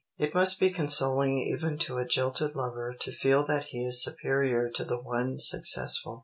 It must be consoling even to a jilted lover to feel that he is superior to the one successful.